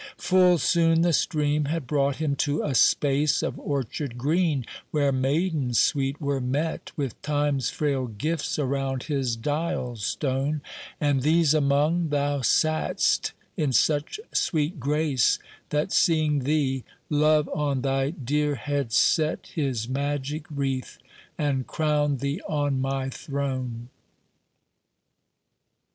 Full soon the stream had brought him to a space Of orchard green, where maidens sweet were met With Time's frail gifts around his dial stone; And, these among, thou sat'st in such sweet grace, That, seeing thee, Love on thy dear head set His magic wreath and crowned thee on my throne.